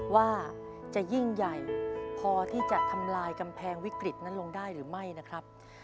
ว่าจะยิ่งใหญ่พอที่จะทำลายกำแพงวิกฤตนั้นลงได้หรือไม่นะครับ